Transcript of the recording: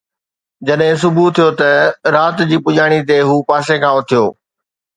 جڏهن صبح ٿيو ته رات جي پڄاڻيءَ تي هو پاسي کان اٿيو